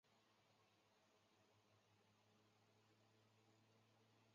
费希特由一种自给自足的观点发展出他的国家理论。